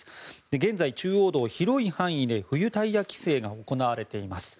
現在、中央道広い範囲で冬タイヤ規制が行われています。